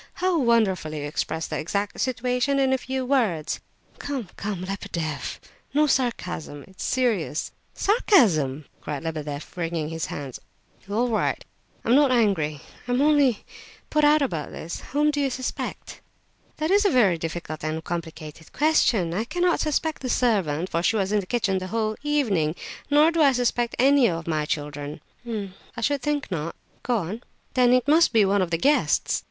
How wonderfully you express the exact situation in a few words!" "Come, come, Lebedeff, no sarcasm! It's a serious—" "Sarcasm!" cried Lebedeff, wringing his hands. "All right, all right, I'm not angry. I'm only put out about this. Whom do you suspect?" "That is a very difficult and complicated question. I cannot suspect the servant, for she was in the kitchen the whole evening, nor do I suspect any of my children." "I should think not. Go on." "Then it must be one of the guests."